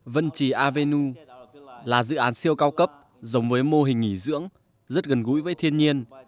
vân trì avenu là dự án siêu cao cấp giống với mô hình nghỉ dưỡng rất gần gũi với thiên nhiên